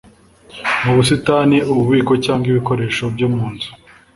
mu busitani ububiko cyangwa ibikoresho byo mu nzu